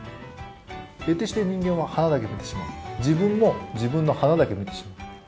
えてして人間は花だけ見てしまう自分も自分の花だけ見てしまう。